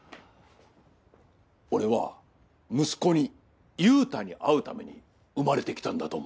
俺は息子に勇太に会うために生まれてきたんだと思う。